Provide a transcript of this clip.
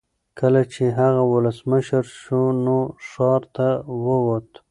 کله چې هغه ولسمشر شو نو ښار ته وووت.